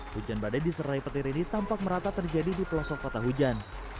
hujan badai diserai petir ini tampak merata terjadi di pelosok kota hujan